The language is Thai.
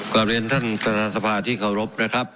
กลับเรียนท่านประธานสภาที่เคารพนะครับ